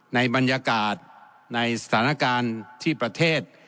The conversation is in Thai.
ในบรรยากาศในสถานการณ์ที่ประเทศ